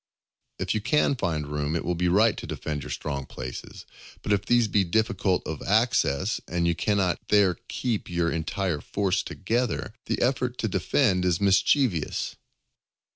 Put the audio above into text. If you can find room, it will be right to defend your strong places; but if these be difficult of access, and you cannot there keep your entire force together, the effort to defend is mischievous.